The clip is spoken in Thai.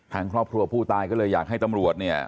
ทางครอบครัวผู้ตายก็เลยอยากให้ตำรวจเนี่ย